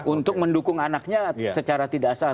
untuk mendukung anaknya secara tidak sah